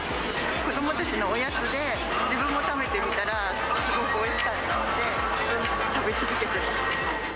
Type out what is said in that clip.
子どもたちのおやつで、自分も食べてみたら、すごくおいしかったので、食べ続けています。